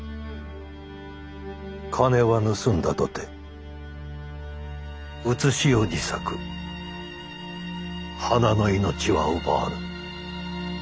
金は盗んだとて現し世に咲く花の命は奪わぬ。